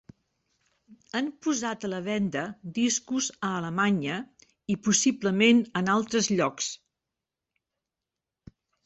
Han posat a la venda discos a Alemanya i possiblement en altres llocs.